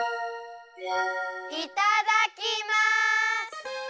いただきます！